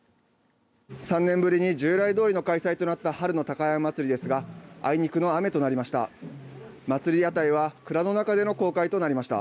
３年ぶりに従来どおりの開催となった春の高山祭ですがあいにくの雨となりました。